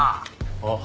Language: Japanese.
あっ。